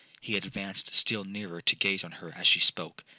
He advanced still nearer to gaze on her as she spoke.